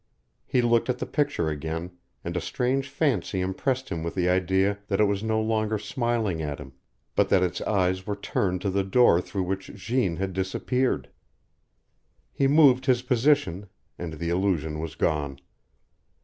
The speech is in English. He looked at the picture again, and a strange fancy impressed him with the idea that it was no longer smiling at him, but that its eyes were turned to the door through which Jeanne had disappeared. He moved his position, and the illusion was gone.